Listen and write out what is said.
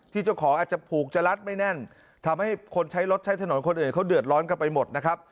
เจ้าของอาจจะผูกจะรัดไม่แน่นทำให้คนใช้รถใช้ถนนคนอื่นเขาเดือดร้อนกันไปหมดนะครับ